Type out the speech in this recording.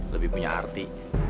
lebih punya arti